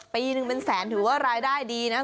ปีหนึ่งเป็นแสนถือว่ารายได้ดีนะ